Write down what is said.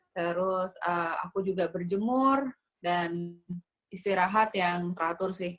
terus aku juga berjemur dan istirahat yang teratur sih